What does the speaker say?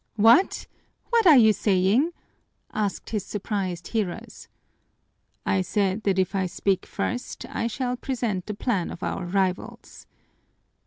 "What! What are you saying?" asked his surprised hearers. "I said that if I speak first I shall present the plan of our rivals."